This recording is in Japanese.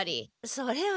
それは。